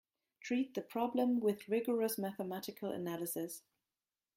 Treat the problem with rigorous mathematical analysis.